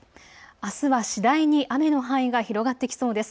あすは次第に雨の範囲が広がってきそうです。